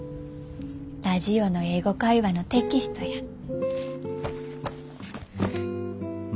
ラジオの「英語会話」のテキストや。